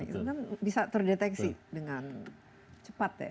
itu kan bisa terdeteksi dengan cepat ya